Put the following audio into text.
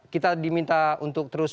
kita diminta untuk terus